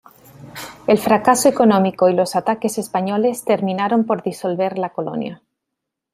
El fracaso económico y los ataques españoles terminaron por disolver la colonia.